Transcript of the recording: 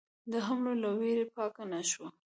د حملو له وېرې پاکه نه شوه.